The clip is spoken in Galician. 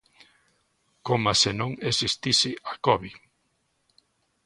Coma se non existise a covid.